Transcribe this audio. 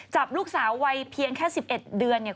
จับลูกสาววัยเพียงแค่๑๑เดือนเนี่ย